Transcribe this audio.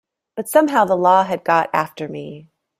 But somehow the law had got after me.